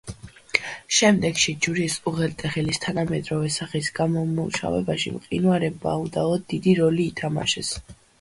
შემდეგში, ჯვრის უღელტეხილის თანამედროვე სახის გამომუშავებაში, მყინვარებმა უდავოდ დიდი როლი ითამაშეს.